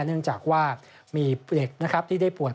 เนื่องจากว่ามีเด็กที่ได้ปวดเป็นโรค